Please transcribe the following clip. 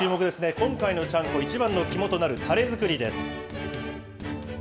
今回のちゃんこ、一番の肝となるたれ作りです。